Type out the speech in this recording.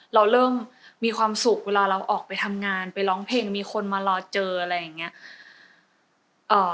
เราเริ่มมีความสุขเวลาเราออกไปทำงานไปร้องเพลงมีคนมารอเจออะไรอย่างนี้